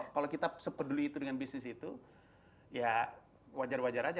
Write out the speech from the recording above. kalau kita sepeduli itu dengan bisnis itu ya wajar wajar aja